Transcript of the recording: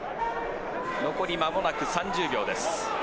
残りまもなく３０秒です。